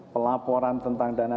pelaporan tentang dana